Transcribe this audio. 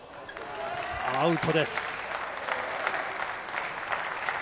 アウトです。